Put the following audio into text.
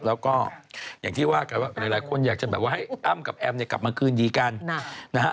แล้วก็อย่างที่ว่าก็หลายคนอยากจะแบบว่าให้อ้ำกับแอมกลับมาคืนดีกัน